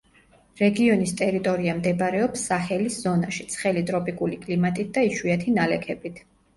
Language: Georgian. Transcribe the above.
რეგიონის ტერიტორია მდებარეობს საჰელის ზონაში, ცხელი ტროპიკული კლიმატით და იშვიათი ნალექებით.